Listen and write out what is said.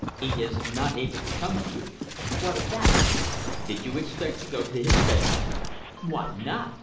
"He is not able to come to you." "What of that?" "Did you expect to go to his bedroom?" "Why not?"